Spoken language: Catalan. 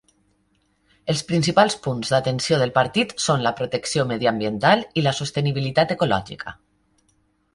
Els principals punts d'atenció del partit són la protecció mediambiental i la sostenibilitat ecològica.